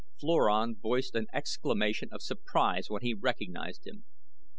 Floran voiced an exclamation of surprise when he recognized him.